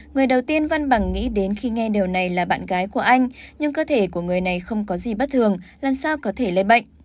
người đầu tiên văn bằng nghĩ đến khi nghe điều này là bạn gái của anh nhưng cơ thể của người này không có gì bất thường làm sao có thể lây bệnh